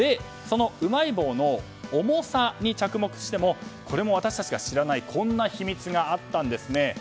うまい棒の重さに着目してもこれも私たちが知らないこんな秘密があったんですね。